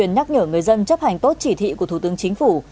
nhắc nhở người dân chấp hành tốt chỉ thị của thủ tướng chính phủ